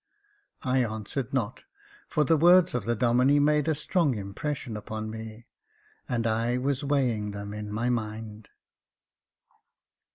I answered not, for the words of the Domine made a strong impres Jacob Faithful 329 sion upon me, and I was weighing them in my mind.